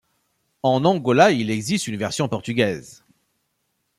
En Angola, il existe une version portugaise.